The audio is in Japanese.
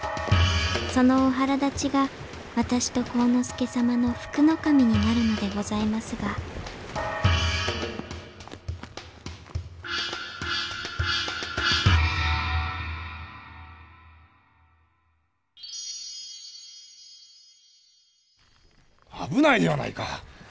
そのお腹立ちが私と晃之助様の福の神になるのでございますが危ないではないか！